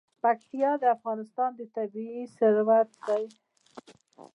پکتیا د افغانستان طبعي ثروت دی.